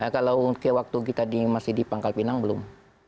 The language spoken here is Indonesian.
kalau waktu kita masih di pangkal pinang belum